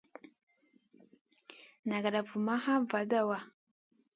Nagada vumaʼha vada waʼa.